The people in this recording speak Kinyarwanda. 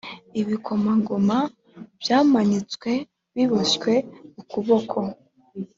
ibikomangoma byamanitswe biboshywe ukuboko